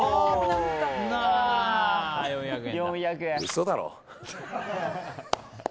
嘘だろ。